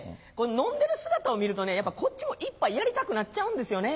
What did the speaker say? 飲んでる姿を見るとねこっちも一杯やりたくなっちゃうんですよね。